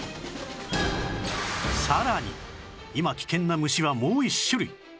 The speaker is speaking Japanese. さらに今危険な虫はもう１種類